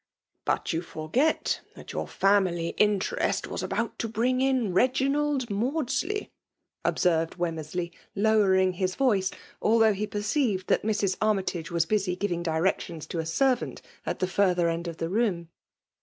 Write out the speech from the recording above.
'* "But you forget that your family inteiMt was about to bring in Reginald Maudnlflfw*^ observed Wemmersley, lowering his vck^, al though he perceived that Mrs. Armytage was busy giving directions to a servant at the fiiiS iher end of the room.